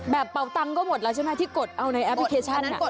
แบบเบาะเงินก็หมดแล้วใช่มั้ยที่กดเอาในแอปพลิเคชันนั้น